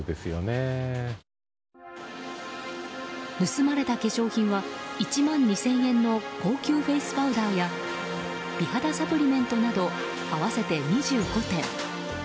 盗まれた化粧品は１万２０００円の高級フェースパウダーや美肌サプリメントなど合わせて２５点。